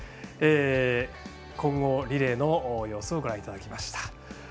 混合リレーの様子をご覧いただきました。